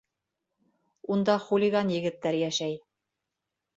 Унда хулиган егеттәр йәшәй.